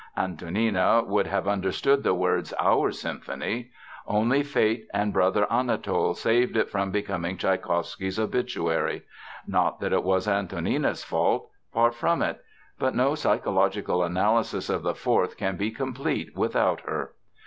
Antonina would have understood the words "our symphony." Only fate and brother Anatol saved it from becoming Tschaikowsky's obituary. Not that it was Antonina's fault. Far from it. But no psychological analysis of the Fourth can be complete without her.